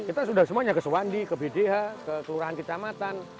kita sudah semuanya ke suwandi ke bdh ke kelurahan kecamatan